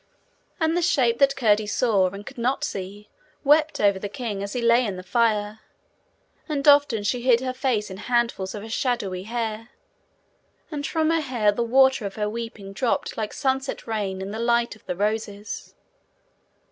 And the shape that Curdie saw and could not see, wept over the king as he lay in the fire, and often she hid her face in handfuls of her shadowy hair, and from her hair the water of her weeping dropped like sunset rain in the light of the roses.